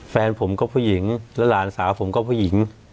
แฟนผมก็ผู้หญิงและหลานสาวผมก็ผู้หญิง